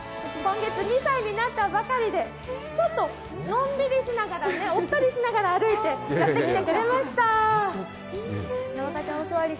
今月２歳になったばかりで、ちょっとのんびりしながら、おっとりしながら歩いてやって来てくえました。